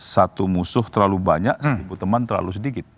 satu musuh terlalu banyak seribu teman terlalu sedikit